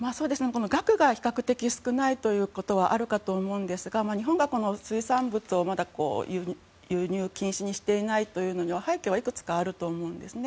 額が比較的少ないということはあるかと思うんですが日本が水産物をまだ輸入禁止にしていないことの背景はいくつかあると思うんですね。